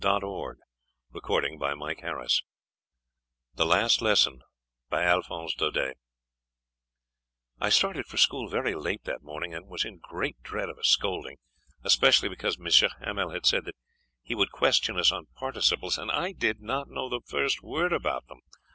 The Last Lesson by Alphonse Daudet THE LAST LESSON BY ALPHONSE DAUDET I started for school very late that morning and was in great dread of a scolding, especially because M. Hamel had said that he would question us on participles, and I did not know the first word about them.